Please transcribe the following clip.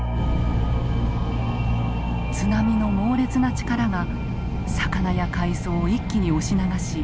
津波の猛烈な力が魚や海草を一気に押し流し